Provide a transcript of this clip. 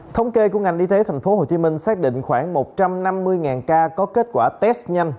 thống kê của ngành y tế tp hcm xác định khoảng một trăm năm mươi ca có kết quả test nhanh